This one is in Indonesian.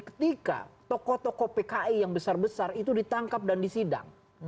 ketika tokoh tokoh pki yang besar besar itu ditangkap dan disidang